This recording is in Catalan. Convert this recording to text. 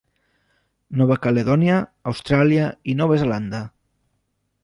Nova Caledònia, Austràlia i Nova Zelanda.